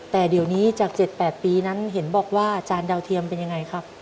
แต่เดี๋ยวนี้จาก๗๘ปีนั้นเห็นบอกว่าอาจารย์ดาวเทียมเป็นยังไงครับ